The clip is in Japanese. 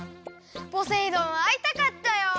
ポセイ丼あいたかったよ！